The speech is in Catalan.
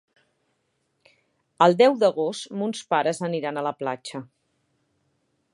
El deu d'agost mons pares aniran a la platja.